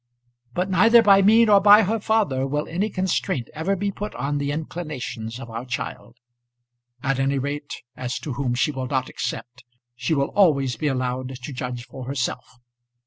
"But neither by me nor by her father will any constraint ever be put on the inclinations of our child. At any rate as to whom she will not accept she will always be allowed to judge for herself.